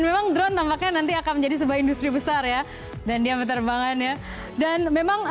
memang drone nampaknya nanti akan menjadi sebuah industri besar ya dan dia berterbangan ya dan memang